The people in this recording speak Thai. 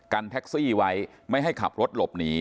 แท็กซี่ไว้ไม่ให้ขับรถหลบหนี